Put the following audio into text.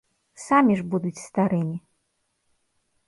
Самі ж будуць старымі.